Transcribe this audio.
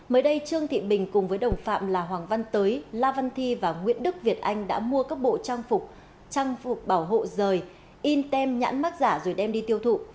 mới đây trương thị bình cùng với đồng phạm là hoàng văn tới la văn thi và nguyễn đức việt anh đã mua các bộ trang phục trang phục bảo hộ rời in tem nhãn mát giả rồi đem đi tiêu thụ